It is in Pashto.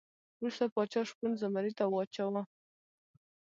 وروسته پاچا شپون زمري ته واچاوه.